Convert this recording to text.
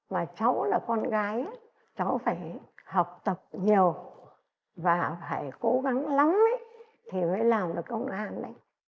mà cháu là con gái cháu phải học tập nhiều và phải cố gắng lắm thì mới làm được công an đấy